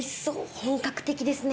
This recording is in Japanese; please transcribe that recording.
本格的ですね。